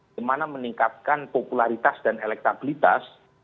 bagaimana meningkatkan popularitas dan elektabilitas